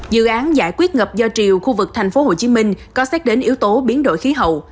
dự án giải quyết ngập do triều khu vực tp hcm có xét đến yếu tố biến đổi khí hậu